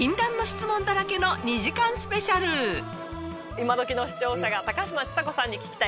今どきの視聴者が高嶋ちさ子さんに聞きたい